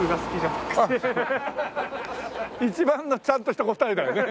一番のちゃんとした答えだよね。